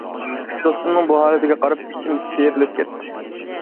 دوستۇمنىڭ بۇ ھالىتىگە قاراپ ئىچىم سىيرىلىپ كەتتى.